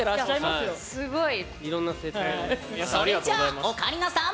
それじゃあオカリナさん